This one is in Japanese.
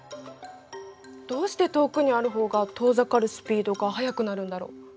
どうして遠くにある方が遠ざかるスピードが速くなるんだろう？